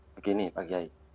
begini pak kiai